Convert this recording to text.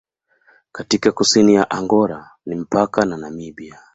Katika kusini ya Angola ni mpaka na Namibia.